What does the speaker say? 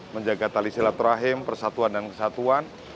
menjaga tali silaturahim persatuan dan kesatuan